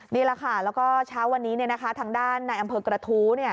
นี่แหละค่ะแล้วก็เช้าวันนี้ทางด้านในอำเภอกระทู้